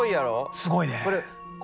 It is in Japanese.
すごいね。